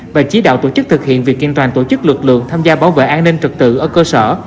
và chỉ đạo tổ chức thực hiện việc kiên toàn tổ chức lực lượng tham gia bảo vệ an ninh trật tự ở cơ sở